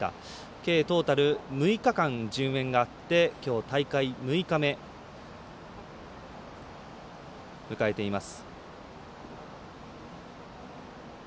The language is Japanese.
計トータル６日間順延があってきょう大会６日目を迎えています。